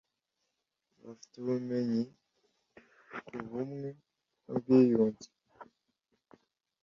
Bafite ubumenyi ku bumwe n ‘ubwiyunge.